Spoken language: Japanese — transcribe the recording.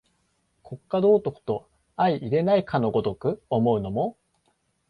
国家道徳と相容れないかの如く思うのも、